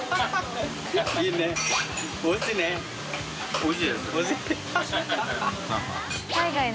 おいしい